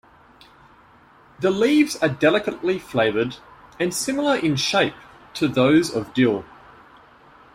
The leaves are delicately flavored and similar in shape to those of dill.